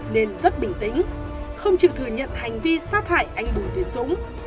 nên rất bình tĩnh không chịu thừa nhận hành vi sát hại anh bùi tiến dũng